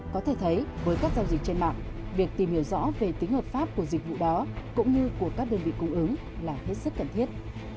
có thể thấy với các giao dịch trên mạng việc tìm hiểu rõ về tính hợp pháp của dịch vụ đó cũng như của các đơn vị cung ứng là hết sức cần thiết